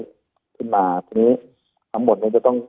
ขยึ้นมาทั้งหมดนี้จะต้อง